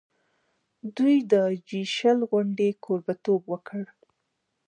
دوی د جي شل غونډې کوربه توب وکړ.